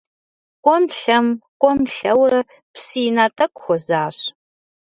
КӀуэм-лъэм, кӀуэм-лъэурэ, псы ина тӀэкӀу хуэзащ.